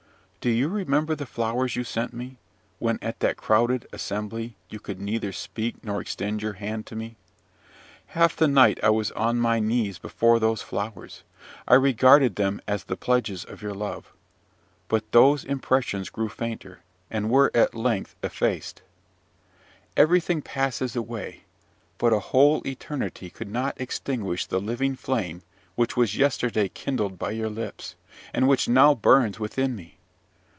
"Do you remember the flowers you sent me, when, at that crowded assembly, you could neither speak nor extend your hand to me? Half the night I was on my knees before those flowers, and I regarded them as the pledges of your love; but those impressions grew fainter, and were at length effaced. "Everything passes away; but a whole eternity could not extinguish the living flame which was yesterday kindled by your lips, and which now burns within me.